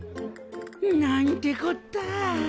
なんてこった。